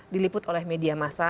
diliput oleh media masa